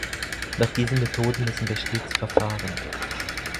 Nach diesen Methoden müssen wir stets verfahren.